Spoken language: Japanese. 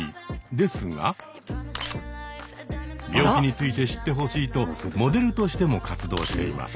ですが病気について知ってほしいとモデルとしても活動しています。